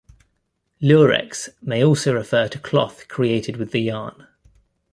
"Lurex" may also refer to cloth created with the yarn.